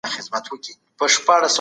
د انکشافي بودیجي ارزښت څه دی؟